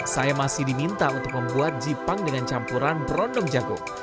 saya masih diminta untuk membuat jipang dengan campuran berondong jagung